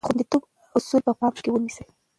د خوندیتوب اصول په پام کې ونیسئ.